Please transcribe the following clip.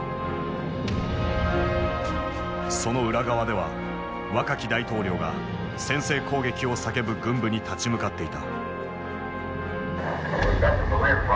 その裏側では若き大統領が先制攻撃を叫ぶ軍部に立ち向かっていた。